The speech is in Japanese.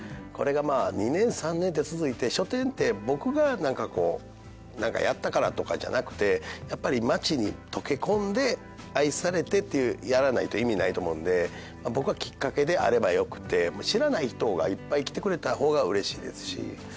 これが２年３年って続いて書店って僕がやったからとかじゃなくてやっぱり街に溶け込んで愛されてってやらないと意味ないと思うんで僕はきっかけであればよくて知らない人がいっぱい来てくれた方がうれしいですし。